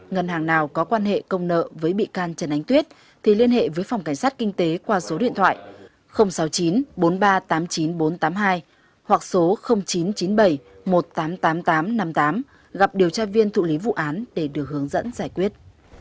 ngân hàng nào có quan hệ công nợ với bị can trần ánh tuyết thì liên hệ với phòng cảnh sát kinh tế qua số điện thoại sáu mươi chín bốn mươi ba tám mươi chín nghìn bốn trăm tám mươi hai hoặc số chín trăm chín mươi bảy một nghìn tám trăm tám mươi tám năm mươi tám gặp điều tra viên thụ lý vụ án để được hướng dẫn giải quyết